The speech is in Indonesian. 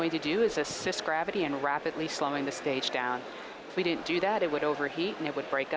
ini akan mempercepat dan melindungi stage terbang ketika menuju ke atmosfer atas yang lebih tebal